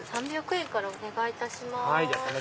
３００円からお願いいたします。